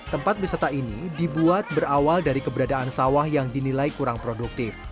tempat wisata ini dibuat berawal dari keberadaan sawah yang dinilai kurang produktif